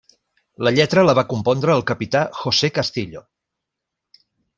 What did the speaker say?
La lletra la va compondre el capità José Castillo.